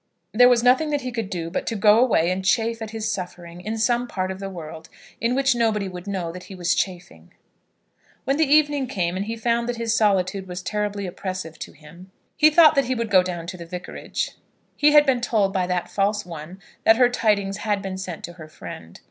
There was nothing that he could do but to go away and chafe at his suffering in some part of the world in which nobody would know that he was chafing. When the evening came, and he found that his solitude was terribly oppressive to him, he thought that he would go down to the Vicarage. He had been told by that false one that her tidings had been sent to her friend.